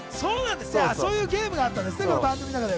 そういうゲームがあったんですね。